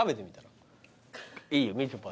いいよみちょぱ。